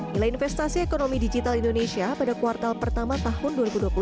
nilai investasi ekonomi digital indonesia pada kuartal pertama tahun dua ribu dua puluh satu